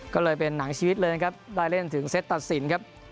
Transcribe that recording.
ก็เลยเป็นหนังชีวิตเลยนะครับได้เล่นถึงเซตตัดสินครับ